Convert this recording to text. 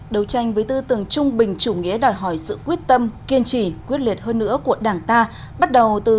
đấu tranh với tư tưởng trung bình chủ nghĩa đòi hỏi sự quyết tâm kiên trì